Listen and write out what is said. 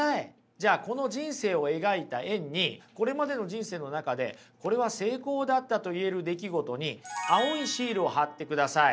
じゃあこの人生を描いた円にこれまでの人生の中でこれは成功だったと言える出来事に青いシールを貼ってください。